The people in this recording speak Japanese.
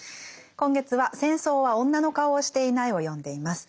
今月は「戦争は女の顔をしていない」を読んでいます。